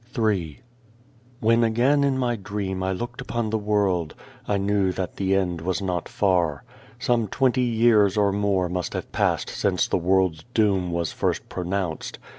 275 Ill WHEN again in my dream I looked upon the world, I knew that the end was not far. Some twenty years or more must have passed since the world's doom was first pronounced.